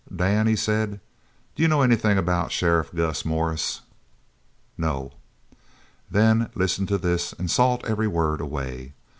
"Dan," he said, "do you know anything about Sheriff Gus Morris?" "No" "Then listen to this and salt every word away.